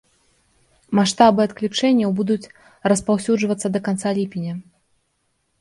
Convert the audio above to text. Маштабы адключэнняў будуць распаўсюджвацца да канца ліпеня.